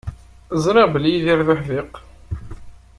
Ẓriɣ belli Yidir d uḥdiq.